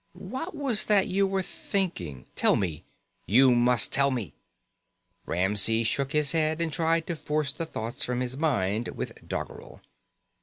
What was that you were thinking? Tell me! You must tell me " Ramsey shook his head and tried to force the thoughts from his mind with doggerel.